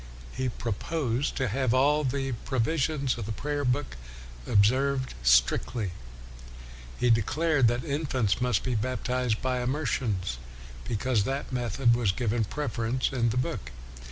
He proposed to have all the provisions of the prayer book observed strictly. He de clared that infants must be baptized by immersion, because that method was given the preference in the book.